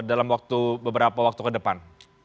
dalam beberapa waktu ke depan